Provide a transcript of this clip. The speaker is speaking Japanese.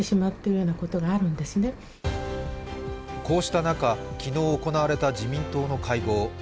こうした中昨日行われた自民党の会合。